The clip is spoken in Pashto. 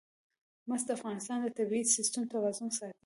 مس د افغانستان د طبعي سیسټم توازن ساتي.